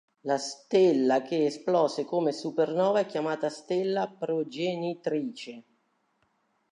La stella che esplose come supernova è chiamata "stella progenitrice".